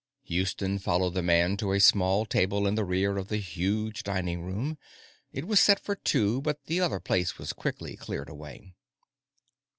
Houston followed the man to a small table in the rear of the huge dining room. It was set for two, but the other place was quickly cleared away.